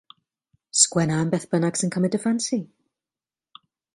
Sgwenna am beth bynnag sy'n cymryd dy ffansi.